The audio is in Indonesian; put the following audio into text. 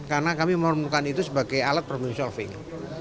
karena kami membutuhkan itu sebagai alat problem solving